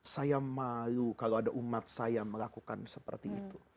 saya malu kalau ada umat saya melakukan seperti itu